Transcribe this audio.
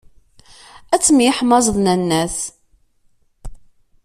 Ad temyeḥmaẓ d nanna-s.